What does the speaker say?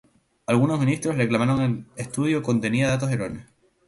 Algunos ministros reclamaron que el estudio contenía datos erróneos.